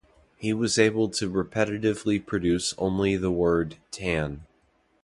He was able to repetitively produce only the word "tan".